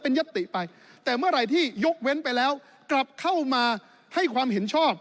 ยัตติไปแต่เมื่อไหร่ที่ยกเว้นไปแล้วกลับเข้ามาให้ความเห็นชอบ